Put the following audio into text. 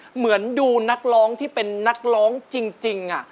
เหมือนดูนักร้องที่เป็นนักร้องจริง